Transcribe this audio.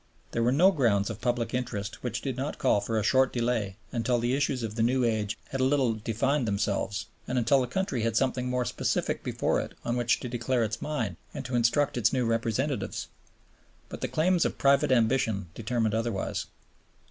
There were no grounds of public interest which did not call for a short delay until the issues of the new age had a little defined themselves and until the country had something more specific before it on which to declare its mind and to instruct its new representatives. But the claims of private ambition determined otherwise.